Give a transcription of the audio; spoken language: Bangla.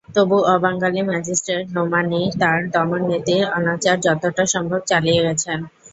তবু অবাঙালি ম্যাজিস্ট্রেট নোমানি তাঁর দমননীতির অনাচার যতটা সম্ভব চালিয়ে গেছেন।